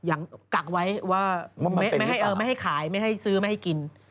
อย่างกักไว้ว่าไม่ให้ขายไม่ให้ซื้อไม่ให้กิน